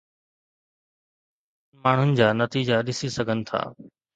چون ٿا ته هو ٻين ماڻهن جا نتيجا ڏسي سگهن ٿا